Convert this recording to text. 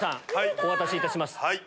お渡しいたします。